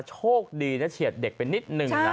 โชคดีนะเฉียดเด็กไปนิดนึงนะ